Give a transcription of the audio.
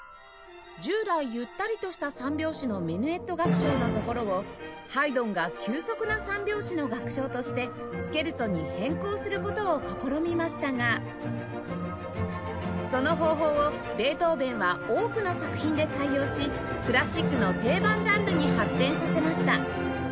従来ゆったりとした３拍子のメヌエット楽章のところをハイドンが急速な３拍子の楽章としてスケルツォに変更する事を試みましたがその方法をベートーヴェンは多くの作品で採用しクラシックの定番ジャンルに発展させました